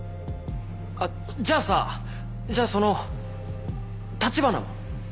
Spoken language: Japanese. じゃあさじゃあその橘も？